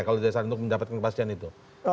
kalau disarankan untuk mendapatkan kepastian itu